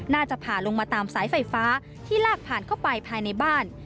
ผ่าลงมาตามสายไฟฟ้าที่ลากผ่านเข้าไปภายในบ้าน